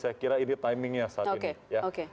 saya kira ini timingnya saat ini